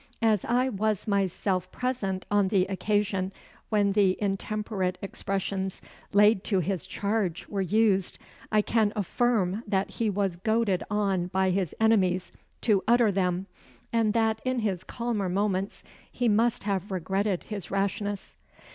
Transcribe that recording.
As I was myself present on the occasion, when the intemperate expressions laid to his charge were used, I can affirm that he was goaded on by his enemies to utter them; and that in his calmer moments he must have regretted his rashness."